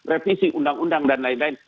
revisi undang undang dan lain lain